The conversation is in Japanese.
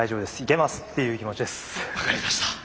分かりました。